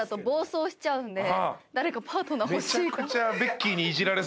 誰かパートナー欲しい。